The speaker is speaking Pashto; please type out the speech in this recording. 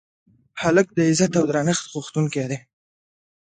هلک د عزت او درنښت غوښتونکی دی.